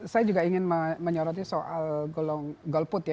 saya juga ingin menyoroti soal golput ya